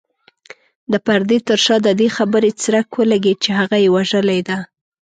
د پردې تر شا د دې خبرې څرک ولګېد چې هغه يې وژلې ده.